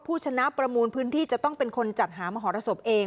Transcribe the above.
ผู้ชนะประมูลพื้นที่จะต้องเป็นคนจัดหามหรสบเอง